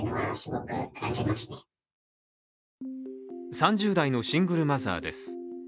３０代のシングルマザーです。